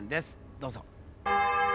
どうぞ。